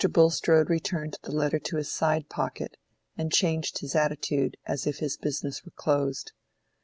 Bulstrode returned the letter to his side pocket, and changed his attitude as if his business were closed.